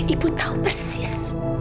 ibu tahu persis